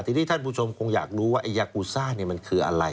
ทีนี้ท่านผู้ชมคงอยากรู้ว่ายากูซ่ามันคืออะไร